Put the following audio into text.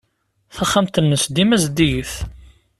Taxxamt-nnes dima zeddiget.